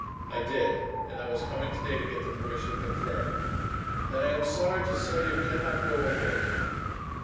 "I did. And I was coming to day to get the permission confirmed." "Then I am sorry to say you cannot go over it."